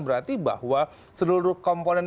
berarti bahwa seluruh komponen